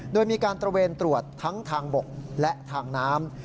โดยมีการตระเวนตรวจทั้งทางบกและทางน้ำ